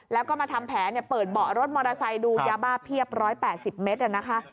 แล้วก็มาทำแผนเปิดเบาะรถมอเตอร์ไซค์ดูยาบ้าเพียบ๑๘๐เมตรนะคะ